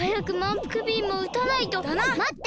まって！